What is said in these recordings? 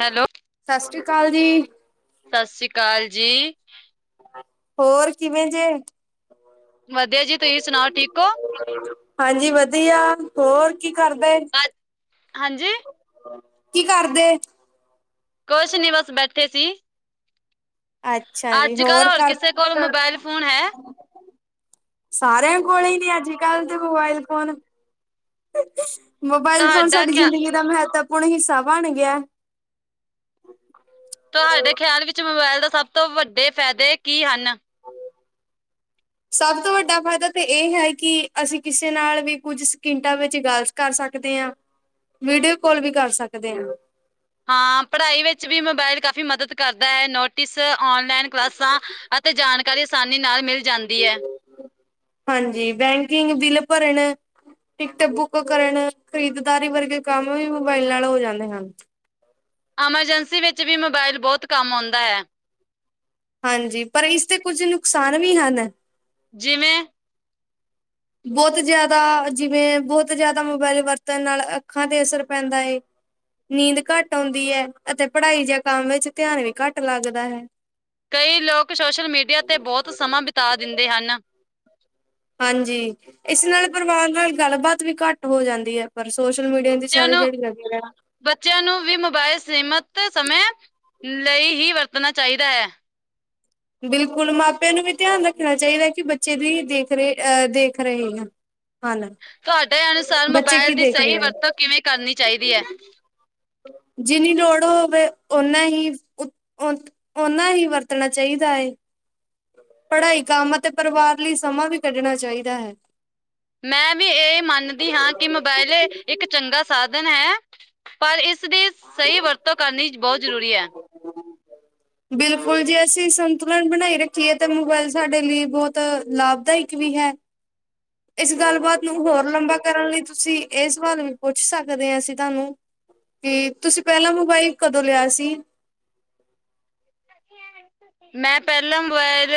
Hello, ਸਤਿ ਸ਼੍ਰੀ ਅਕਾਲ ਜੀ। ਸਤਿ ਸ੍ਰੀ ਅਕਾਲ ਜੀ। ਹੋਰ ਕਿਵੇਂ ਜੇ? ਵਧੀਆ ਜੀ। ਤੁਸੀਂ ਸੁਣਾਓ? ਠੀਕ ਹੋ। [unintelligible] ਹਾਂਜੀ। ਵਧੀਆ। ਹੋਰ ਕੀ ਕਰਦੇ। ਹਾਂਜੀ। ਕੀ ਕਰਦੇ। ਕੁਛ ਨੀ ਬਸ ਬੈਠੇ ਸੀ। ਅੱਛਾ ਜੀ। ਅੱਜ ਕੱਲ ਹੋਰ ਘਰ ਕਿਸੇ ਕੋਲ ਮੋਬਾਇਲ ਫੋਨ ਹੈ? ਸਾਰਿਆਂ ਕੋਲ ਹੀ ਨੀ ਅੱਜ ਕੱਲ ਦੇ ਮੋਬਾਇਲ ਫੋਨ। ਮੋਬਾਇਲ ਫੋਨ ਤੁਹਾਡਾ ਸਾਡੀ ਕਿਆ ਜ਼ਿੰਦਗੀ ਦਾ ਮਹੱਤਵਪੂਰਨ ਹਿੱਸਾ ਬਣ ਗਿਆ। ਤੁਹਾਡੇ ਖਿਆਲ ਵਿੱਚ ਮੋਬਾਇਲ ਦਾ ਸਭ ਤੋਂ ਵੱਡੇ ਫਾਇਦੇ ਕੀ ਹਨ। ਹ ਸਭ ਤੋਂ ਵੱਡਾ ਫਾਇਦਾ ਤਾਂ ਇਹ ਹੈ। ਕਿ ਅਸੀਂ ਕਿਸੇ ਨਾਲ ਵੀ ਕੁੱਝ ਸਕਿੰਟਾਂ ਵਿੱਚ ਗਾ ਕਰ ਸਕਦੇ ਹਾਂ। ਵੀਡੀਓ ਕਾਲ ਵੀ ਕਰ ਸਕਦੇ ਹਾਂ। ਹਾਂ। ਪੜ੍ਹਾਈ ਵਿੱਚ ਵੀ ਮੋਬਾਇਲ ਕਾਫ਼ੀ ਮਦਦ ਕਰਦਾ ਹੈ। ਨੋਟਿਸ, ਔਨਲਾਈਨ ਕਲਾਸਾਂ। ਅਤੇ ਜਾਣਕਾਰੀ ਆਸਾਨੀ ਨਾਲ ਮਿਲ ਜਾਂਦੀ ਹੈ। ਹਾਂਜੀ। ਬੈਂਕਿੰਗ ਬਿਲ ਭਰਨ ਟਿਕਟ ਬੁੱਕ ਕਰਨ, ਖਰੀਦਦਾਰੀ ਵਰਗੇ ਕੰਮ ਵੀ ਮੋਬਾਈਲ ਨਾਲ ਹੋ ਜਾਂਦੇ ਹਨ। ਐਮਰਜੈਂਸੀ ਵਿਚ ਵੀ ਮੋਬਾਇਲ ਬਹੁਤ ਕੰਮ ਆਉਂਦਾ ਹੈ। ਹਾਂਜੀ। ਪਰ ਇਸ ਤੇ ਕੁੱਝ ਨੁਕਸਾਨ ਵੀ ਹਨ। ਜਿਵੇਂ ਬਹੁਤ ਜ਼ਿਆਦਾ ਜਿਵੇਂ ਬਹੁਤ ਜ਼ਿਆਦਾ ਮੋਬਾਇਲ ਵਰਤਣ ਨਾਲ ਅੱਖਾਂ ਤੇ ਅਸਰ ਪੈਂਦਾ ਹੈ। ਨੀਂਦ ਘੱਟ ਆਉਂਦੀ ਹੈ। ਅਤੇ ਪੜ੍ਹਾਈ ਜਾਂ ਕੰਮ ਵਿੱਚ ਧਿਆਨ ਵੀ ਘੱਟ ਲੱਗਦਾ ਹੈ। ਕਈ ਲੋਕ ਸੋਸ਼ਲ ਮੀਡੀਆ ਤੇ ਬਹੁਤ ਸਮਾਂ ਬਿਤਾ ਦਿੰਦੇ ਹਨ। ਹਾਂਜੀ। ਇਸ ਨਾਲ ਪਰਿਵਾਰ ਨਾਲ ਗੱਲਬਾਤ ਵੀ ਘੱਟ ਹੋ ਜਾਂਦੀ ਹੈ। ਪਰ ਸੋਸ਼ਲ ਮੀਡੀਆ ਦੀ ਬੱਚਿਆਂ ਸਾਰੀ ਨੂੰ ਦਿਹੜੀ ਲਗਦੀ ਹੈ। ਬੱਚਿਆਂ ਨੂੰ ਵੀ ਮੋਬਾਇਲ ਸੀਮਿਤ ਸਮੇ ਲਈ ਹੀ ਵਰਤਣਾ ਚਾਹੀਦਾ ਹੈ। ਬਿਲਕੁਲ ਮਾਪਿਆਂ ਨੂੰ ਵੀ ਧਿਆਨ ਰੱਖਣਾ ਚਾਹੀਦਾ ਕਿ ਬੱਚੇ ਦੀ ਦੇਖ ਰਹੇ ਅਹ ਦੇਖ ਰਹੇ ਆ। [inaudible] ਤੁਹਾਡੇ ਅਨੁਸਾਰ ਮੋਬਾਇਲ ਦੀ ਦੇਖ ਸਹੀ ਰਹੇ ਆ ਵਰਤੋਂ ਕਿਵੇਂ ਕਰਨੀ ਚਾਹੀਦੀ ਹੈ। ਜਿੰਨੀ ਲੋੜ ਹੋਵੇ। ਓਨਾ ਹੀ, ਓਨਾ ਹੀ ਵਰਤਣਾ ਚਾਹੀਦਾ ਹੈਏ। ਪੜ੍ਹਾਈ ਕੰਮ ਅਤੇ ਪਰਿਵਾਰ ਲਈ ਸਮਾਂ ਵੀ ਕੱਢਣਾ ਚਾਹੀਦਾ ਹੈ। ਮੈਂ ਵੀ ਇਹ ਮੰਨਦੀ ਹਾਂ। ਕਿ ਮੋਬਾਇਲ ਇੱਕ ਚੰਗਾ ਸਾਧਨ ਹੈ। ਪਰ ਇਸ ਦੀ ਸਹੀ ਵਰਤੋਂ ਕਰਨੀ ਬਹੁਤ ਜ਼ਰੂਰੀ ਹੈ। ਬਿਲਕੁਲ ਜੇ ਅਸੀਂ ਸੰਤੁਲਨ ਬਣਾਈ ਰੱਖੀਏ ਤਾਂ ਮੋਬਾਇਲ ਸਾਡੇ ਲਈ ਬਹੁਤ ਲਾਭਦਾਇਕ ਵੀ ਹੈ। ਇਸ ਗੱਲਬਾਤ ਨੂੰ ਹੋਰ ਲੰਬਾ ਕਰਨ ਲਈ ਤੁਸੀਂ ਇਹ ਸਵਾਲ ਪੁੱਛ ਸਕਦੇ ਹਾਂ ਅਸੀਂ ਤੁਹਾਨੂੰ ਕਿ ਤੁਸੀਂ ਪਹਿਲਾਂ ਮੋਬਾਈਲ ਕਦੋਂ ਲਿਆ ਸੀ। [unintelligible] ਮੈਂ ਪਹਿਲਾਂ ਮੋਬਾਇਲ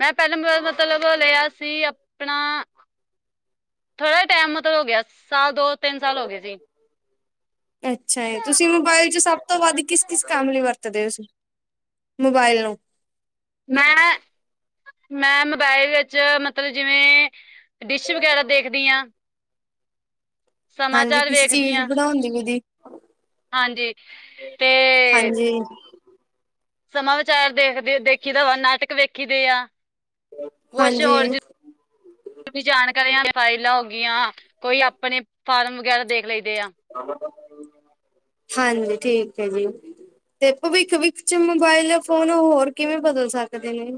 ਮੈਂ ਪਹਿਲਾਂ ਮਤਲਬ ਲਿਆ ਸੀ। ਆਪਣਾ ਥੋੜਾ ਜ ਟਾਈਮ ਮਤਲਬ ਹੋ ਗਿਆ। ਸਾਲ ਦੋ- ਤਿੰਨ ਸਾਲ ਹੋ ਗਏ ਸੀ। ਅੱਛਾ ਜਏ। ਤੁਸੀਂ ਮੋਬਾਇਲ ਚ ਸਭ ਸਭ ਤੋਂ ਵੱਧ ਕਿਸ- ਕਿਸ ਕੰਮ ਲਈ ਵਰਤਦੇਂ ਮੋਬਾਇਲ ਨੂੰ ਮੈਂ ਨਾ, ਮੈਂ ਮੋਬਾਇਲ ਵਿੱਚ ਮਤਲਬ ਜਿਵੇਂ ਡਿਸ਼ ਵਗੈਰਾ ਦੇਖਦੀ ਹਾਂ। ਹਾਂਜੀ। ਸਮਾਚਾਰ ਕਿਸ ਵੇਖਦੀ ਚੀਜ਼ ਹਾਂ ਬਣਾਉਦੀ ਵੀਦੀ। ਹਾਂਜੀ ਤੇ ਹਾਂਜੀ, ਸਮਾਂ ਵਿਚਾਰ ਦੇਖਦੇ ਦੇਖੀ ਦਾ ਵਾ ਨਾਟਕ ਵੇਖੀ ਦੇ ਆ ਕੁਛ ਹੋਰਰ [unintelligible] ਵੀ ਜਾਣਕਾਰੀਆਂ ਫਾਈਲਾਂ ਹੋ ਗਈਆਂ ਕੋਈ ਆਪਣੇ ਫਾਰਮ ਵਗੈਰਾ ਦੇਖ ਲਈਦੇ ਆ। ਹਾਂਜੀ ਠੀਕ ਹੈ ਜੀ। ਤੇ ਭਵਿੱਖ ਵਿਖ ਚ ਮੋਬਾਇਲ ਫੋਨ ਹੋਰ ਕਿਵੇਂ ਬਦਲ ਸਕਦੇ ਨੇ।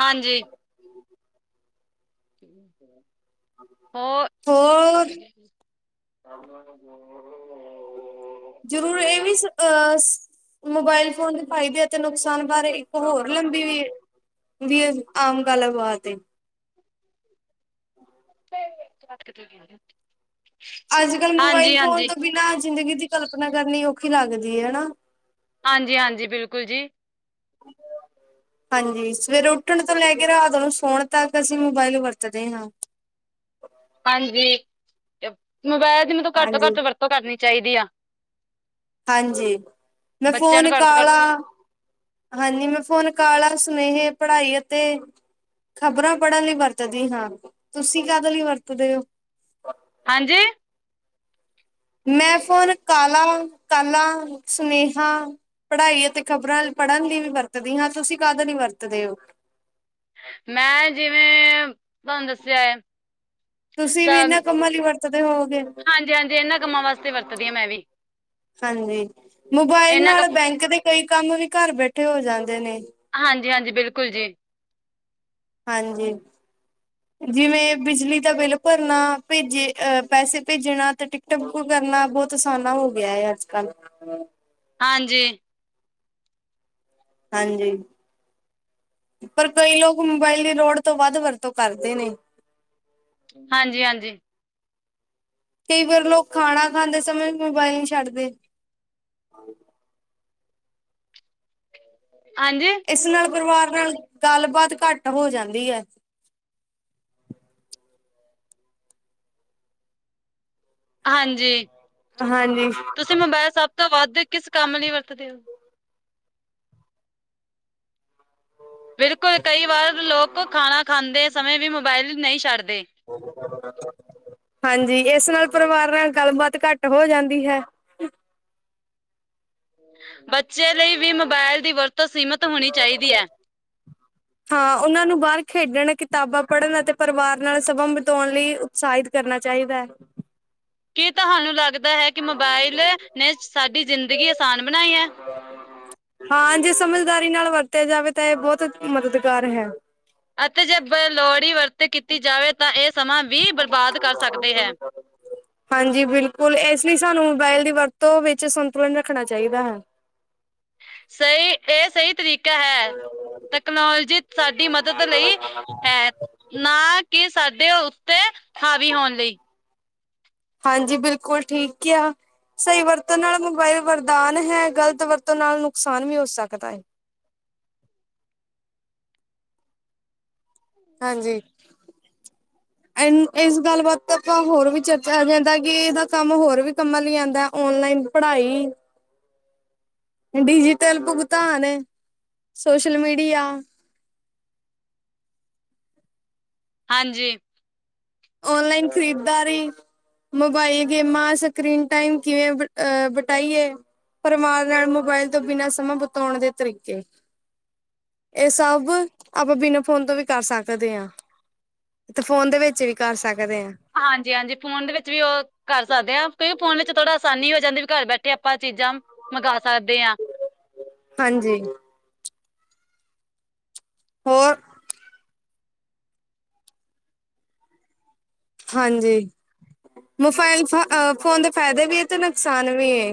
ਹਾਂਜੀ। ਹੋਰ। ਹੋਰ [unintelligible] ਜ਼ਰੂਰ ਇਹ ਵੀ ਅਹ। ਮੋਬਾਇਲ ਫੋਨ ਦੇ ਫਾਇਦੇ ਅਤੇ ਨੁਕਸਾਨ ਬਾਰੇ ਹੋਰ ਲੰਬੀ ਵੀ ਵੀ ਆਮ ਗੱਲ ਬਾਤ ਹਾਂਜੀ ਅੱਜ ਕੱਲ੍ਹ ਮੋਬਾਇਲ ਫੋਨ ਹਾਂਜੀ ਤੋਂ ਬਿਨਾਂ ਜ਼ਿੰਦਗੀ ਦੀ ਕਲਪਨਾ ਕਰਨੀ ਔਖੀ ਲੱਗਦੀ ਹੈ ਹਨਾ ਹਾਂਜੀ ਹਾਂਜੀ ਬਿਲਕੁਲ ਜੀ ਹ ਹਾਂਜੀ ਸਵੇਰੇ ਉੱਠਣ ਤੋਂ ਲੈ ਕੇ ਰਾਤ ਉਹੂੰ ਸੋਣ ਤੱਕ ਅਸੀਂ ਮੋਬਾਇਲ ਵਰਤਦੇ ਹਾਂ ਹਾਂਜੀ ਮੋਬਾਇਲ ਦੀ ਮੈਨੂੰ ਘੱਟ ਤੋਂ ਹਾਂਜੀ, ਘੱਟ ਵਰਤੋਂ ਕਰਨੀ ਚਾਹੀਦੀ ਆ ਹਾਂਜੀ ਮੈਂ ਬੱਚਿਆਂ ਨੂੰ ਫੋਨ ਘੱਟ ਤੋਂ ਕਾਲਾ ਘੱਟ ਹਾਂਜੀ ਮੈਂ ਫੋਨ ਕਾਲ ਆ ਸੁਨੇਹੇ ਪੜ੍ਹਾਈ ਅਤੇ ਖ਼ਬਰਾਂ ਪੜ੍ਹਨ ਲਈ ਵਰਤਦੀ ਹਾਂ ਤੁਸੀਂ ਕਾਹਦੇ ਲਈ ਵਰਤਦੇ ਹੋ ਹਾਂਜੀ ਮੈਂ ਫੋਨ ਕਾਲਾਂ ਕਾਲਾਂ ਸੁਨੇਹਾ ਪੜ੍ਹਾਈ ਅਤੇ ਖ਼ਬਰਾਂ ਪੜ੍ਹਨ ਲਈ ਵੀ ਵਰਤਦੀ ਹਾਂ ਤੁਸੀਂ ਕਦ ਨ ਵਰਤਦੇ ਹੋ ਮੈਂ ਜਿਵੇਂ ਤੁਹਾਨੂੰ ਦੱਸਿਆ ਹੈ ਤੁਸੀਂ ਸ ਵੀ ਇਹਨਾਂ ਕੰਮਾਂ ਲਈ ਵਰਤਦੇ ਹੋਵੋਗੇ ਹਾਂਜੀ, ਹਾਂਜੀ ਇਹਨਾਂ ਕੰਮਾਂ ਵਾਸਤੇ ਤੇ ਵਰਤਦੀ ਹਾਂ ਮੈਂ ਵੀ। ਹਾਂਜੀ ਮੋਬਾਇਲ ਇਹਨਾਂ ਕ ਨਾਲ ਬੈਂਕ ਦੇ ਕਈ ਕੰਮ ਵੀ ਘਰ ਬੈਠੇ ਹੋ ਜਾਂਦੇ ਨੇ। ਹਾਂਜੀ, ਹਾਂਜੀ ਬਿਲਕੁਲ ਜੀ। ਹਾਂਜੀ। ਜਿਵੇਂ ਬਿਜਲੀ ਦਾ ਬਿੱਲ ਭਰਨਾ ਭੇਜੇ ਅਹ ਪੈਸੇ ਭੇਜਣਾ ਤੇ ਟਿਕਟ ਬੁੱਕ ਕਰਨਾ ਬਹੁਤ ਆਸਾਨਾ ਹੋ ਗਿਆ ਹੈ ਅੱਜ, ਕੱਲ। ਹਾਂਜੀ ਹਾਂਜੀ ਪਰ ਕਈ ਲੋਕ ਮੋਬਾਇਲ ਦੀ ਲੋੜ ਤੋਂ ਵੱਧ ਵਰਤੋਂ ਕਰਦੇ ਨੇ ਹਾਂਜੀ ਹਾਂਜੀ ਕਈ ਵਾਰ ਲੋਕ ਖਾਣਾ ਖਾਂਦੇ ਸਮੇਂ ਮੋਬਾਇਲ ਨਹੀਂ ਛੱਡਦੇ ਹਾਂਜੀ ਇਸ ਨਾਲ ਪਰਿਵਾਰ ਨਾਲ਼ ਗੱਲਬਾਤ ਘੱਟ ਹੋ ਜਾਂਦੀ ਐ। ਹਾਂਜੀ, ਹਾਂਜੀ ਤੁਸੀਂ ਮਬਾਏਲ ਸਬ ਤੋਂ ਵੱਦ ਕਿਸ ਕੰਮ ਲਈ ਵਰਤਦੇ ਓ? ਬਿਲਕੁਲ ਕਈ ਵਾਰ ਲੋਕ ਖਾਣਾ ਖਾਂਦੇ ਸਮੇਂ ਵੀ ਮਬਾਇਲ, ਨਈ ਸ਼ਡਦੇ। ਹਾਂਜੀ ਇਸ ਨਾਲ ਪਰਿਵਾਰ ਨਾਲ ਗੱਲਬਾਤ ਘੱਟ ਹੋ ਜਾਂਦੀ ਹੈ ਬੱਚੇ ਲਈ ਵੀ ਮੋਬਾਇਲ ਦੀ ਵਰਤੋਂ ਸੀਮਿਤ ਹੋਣੀ ਚਾਹੀਦੀ ਹੈ ਹਾਂ ਉਹਨਾਂ ਨੂੰ ਬਾਹਰ ਖੇਡਣ ਕਿਤਾਬਾਂ ਪੜ੍ਹਨ ਅਤੇ ਪਰਿਵਾਰ ਨਾਲ ਸਮਾਂ ਬਿਤਾਉਣ ਲਈ ਉਸ਼ਹਿਤ ਕਰਨਾ ਚਾਹੀਦਾ ਹੈ ਕੀ ਤੁਹਾਨੂੰ ਲੱਗਦਾ ਹੈ ਕਿ ਮੋਬਾਇਲ ਨੇ ਸਾਡੀ ਜ਼ਿੰਦਗੀ ਆਸਾਨ ਬਣਾਈ ਹੈ ਹਾਂ ਜੇ ਸਮਝਦਾਰੀ ਨਾਲ ਵਰਤਿਆ ਜਾਵੇ ਤਾਂ ਇਹ ਬਹੁਤ ਮਦਦਗਾਰ ਹੈ ਅਤੇ ਜੇ ਬ ਲੋੜੀ ਵਰਤ ਕੀਤੀ ਜਾਵੇ ਤਾਂ ਇਹ ਸਮਾਂ ਵੀ ਬਰਬਾਦ ਕਰ ਸਕਦੇ ਹੈ ਹਾਂਜੀ ਬਿਲਕੁਲ ਇਸ ਲਈ ਸਾਨੂੰ ਮੋਬਾਇਲ ਦੀ ਵਰਤੋਂ ਵਿੱਚ ਸੰਤੁਲਨ ਰੱਖਣਾ ਚਾਹੀਦਾ ਹੈ ਸਹੀ ਇਹ ਸਹੀ ਤਰੀਕਾ ਹੈ ਤਕਨਾਲੋਜੀ ਸਾਡੀ ਮਦਦ ਲਈ, ਹੈ ਨਾ ਕਿ ਸਾਡੇ ਓਤੇ, ਹਾਵੀ ਹੋਨ ਲਈ। ਹਾਂਜੀ ਬਿਲਕੁਲ ਠੀਕ ਕੇਆ। ਸਈ ਵਰਤਨਾਲ ਮੋਬਾਇਲ ਵਰਦਾਨ ਹੈ। ਗਲਤ ਵਰਤਨਾਲ ਨੁਕਸਾਨ ਵੀ ਹੋ ਸਕਦਾ ਏ। ਹਾਂਜੀ। ਐਨ ਇਸ ਗੱਲ ਬਾਤ ਆਪਾਂ ਹੋਰ ਵੀ ਚਰਚਾ ਜਾਂਦਾ ਕਿ, ਏਦਾ ਕੰਮ ਹੋਰ ਵੀ ਕੰਮਾਂ ਲਈ ਆਂਦਾ ਓਨਲਾਈਨ ਪੜ੍ਹਾਈ ਡਿਜੀ਼ਟਲ ਭੁਗਤਾਨ ਸੋਸ਼ਲ ਮੀੜੀਆ ਹਾਂਜੀ। ਓਨਲਾਈਨ ਖਰੀਦਦਾਰੀ ਮੋਬਾਇਲ ਗੇਮਾਂ ਸਕਰੀਨ ਟਾਈਮ ਕਿਵੇਂ ਬ ਅ, ਬਟਾਈਏ? ਪਰਮਾਰ ਨਾਲ ਮੋਬਾਇਲ ਤੋਂ ਬਿਨਾਂ ਸਮਾਂ ਬਤਾਓਣ ਦੇ ਤਰੀਕੇ। ਏ ਸਾਬ, ਆਪਾਂ ਬਿਨਾਂ ਫੋਨ ਤੋਂ ਵੀ ਕਰ ਸਕਦੇ ਆ। ਤੇ ਫੋਨ ਦੇ ਵੇਚ ਵੀ ਕਰ ਸਕਦੇ ਆਂ। ਹਾਂਜੀ, ਹਾਂਜੀ ਫੋਨ ਦੇ ਵਿੱਚ ਵੀ ਓ ਕਰ ਸਾਕਦੇ ਆ, ਕਈ ਫੋਨ ਵਿੱਚ ਥੋੜਾ ਆਸਾਨੀ ਹੋ ਜਾਂਦੀ, ਵੀ ਘਰ ਬੈਠੇ ਆਪਾਂ ਚੀਜ਼ਾਂ, ਮੰਗਾ ਸਾਕਦੇ ਆਂ। ਹਾਂਜੀ। ਹੋਰ? ਹਾਂਜੀ, ਮੋਫਾਇਲ ਫ ਅ ਫੋਨ ਦੇ ਫ਼ਾਇਦੇ ਵੀ ਏ ਤੇ ਨੁਕਸਾਨ ਵੀ ਏ।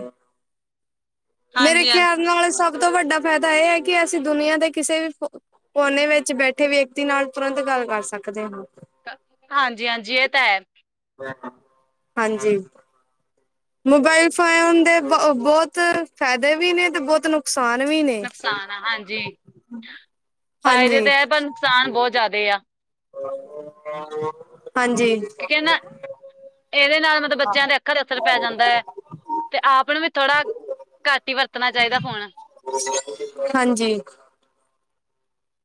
ਮੇਰੇ ਹਾਂਜੀ ਹਾਂ ਖੇਆਲ ਨਾਲ਼ ਸਬ ਤੋਂ ਵੱਡਾ ਫੈਦਾ ਐ ਏ ਕਿ ਅਸੀਂ ਦੁਨੀਆਂ ਦੇ ਕਿਸੇ ਵੀ ਫ ਕੋਨੇ ਵਿੱਚ ਬੈਠੇ ਵਿਅਕਤੀ ਨਾਲ ਤੁਰੰਤ ਗੱਲ ਕਾਰ ਸਕਦੇ ਆਂ। ਅ ਹਾਂਜੀ, ਹਾਂਜੀ ਏ ਤਾਂ ਹੈ। ਹਾਂਜੀ। ਮੋਬਾਇਲ ਫੋਅਐਨ ਦੇ ਬ ਬੋਤ ਫੈਦੇ ਵੀ ਨੇ ਤੇ ਬੋਤ ਨੁ ਨੁਕਸਾਨ ਵੀ ਨੇ। ਨੁਕਸਾਨ ਆ, ਹਾਂਜੀ ਫਾਏਦੇ ਹਾਂਜੀ ਤੇ ਹੈ ਪਨ ਨੁਕਸਾਨ ਬੋਤ ਜ਼ਿਆਦੇ ਆ। ਹਾਂਜੀ। ਏਦੇ ਨਾਲ ਮਤਬ ਬੱਚੇਆਂ ਦੇ ਅੱਖਾ ਚ ਅਸਰ ਪੈ ਜਾਂਦਾ ਐ। ਤੇ ਆਪ ਨੂੰ ਵੀ ਥੋੜ੍ਹਾ, ਘੱਟ ਈ ਵਰਤਣਾ ਚਾਈਦਾ ਫੋਣ। ਹਾਂਜੀ।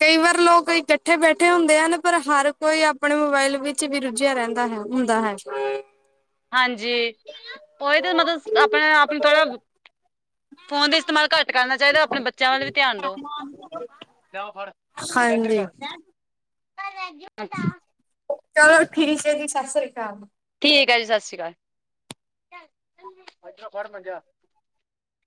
ਕਈ ਵਾਰ ਲੋਕ ਇਕੱਠੇ ਬੈਠੇ ਹੁੰਦੇ ਆ ਨਾ, ਪਰ ਹਰ ਕੋਈ ਆਪਣੇ ਮੋਬਾਇਲ ਵਿੱਚ ਵੀ ਰੁੱਝੇਆ ਰੈਂਦਾ ਹੈ ਹੁੰਦਾ ਹੈ। [unintelligible] ਹਾਂਜੀ। ਫੋਨ ਦਾ ਇਸਤੇਮਾਲ ਘੱਟ ਕਰਨਾ ਚਾਈਦਾ, ਆਪਣੇ ਬੱਚੇਆਂ ਵੱਲ ਵੀ ਧੇਆਨ ਦੋ। ਲੈ ਆ ਫੜ ਮੰਜਾ ਏਦਰ ਹਾਂਜੀ ਕਾਰ [unintelligible] ਚਲੋ ਠੀਕ ਏ ਜੀ ਸਾਸ ਸ੍ਰੀ ਕਾਲ। ਠੀਕ ਐ ਜੀ ਸਾਸ ਸ੍ਰੀ ਕਾਲ।